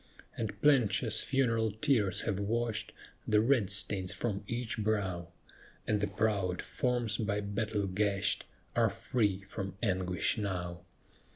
And plenteous funeral tears have washed The red stains from each brow, And the proud forms, by battle gashed, Are free from anguish now.